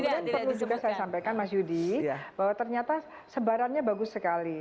dan perlu juga saya sampaikan mas yudi bahwa ternyata sebarannya bagus sekali